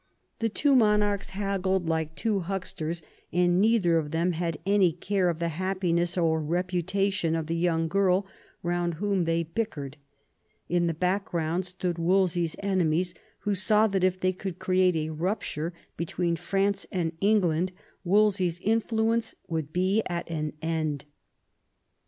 The two monarchs haggled like two hucksters, and neither of them had any care of the happiness or reputation of the young girl round whom they bickered. In the background stood Wolse/s enemies, who saw that if they could create a rupture between France and England Wolsey's influence would be at an end.